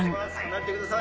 離れてください。